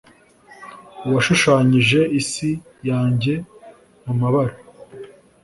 uwashushanyije isi yanjye mumabara